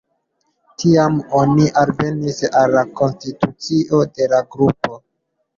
Tiam oni alvenis al la konstitucio de la grupo.